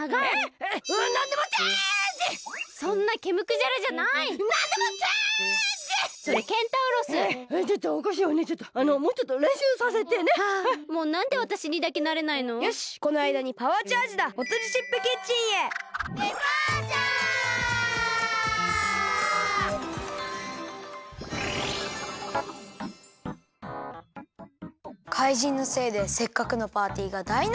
かいじんのせいでせっかくのパーティーがだいなしだよ。